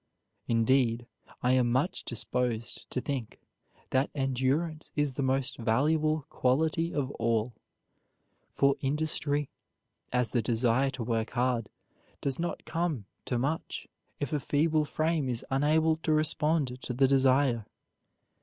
Indeed, I am much disposed to think that endurance is the most valuable quality of all; for industry, as the desire to work hard, does not come to much if a feeble frame is unable to respond to the desire.